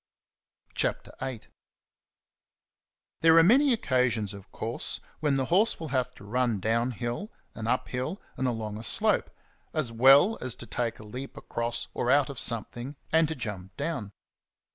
CHAPTER VIII. THERE are many occasions, of course, when the horse will have to run down hill and up hill and along a slope, as well as to take a leap across or out of something and to jump down.